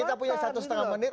kita punya satu setengah menit